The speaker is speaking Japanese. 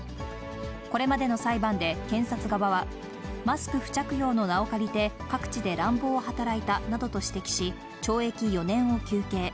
これまでの裁判で、検察側は、マスク不着用の名を借りて、各地で乱暴を働いたなどと指摘し、懲役４年を求刑。